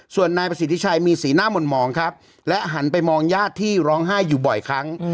ส่วนนายประสิทธิชัยมีสีหน้าหม่นหมองครับและหันไปมองญาติที่ร้องไห้อยู่บ่อยครั้ง